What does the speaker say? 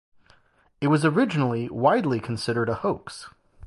It was originally widely considered a hoax.